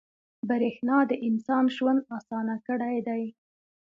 • برېښنا د انسان ژوند اسانه کړی دی.